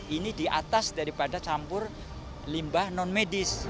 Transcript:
ini di atas daripada campur limbah non medis